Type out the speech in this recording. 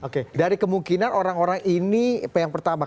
oke dari kemungkinan orang orang ini yang pertama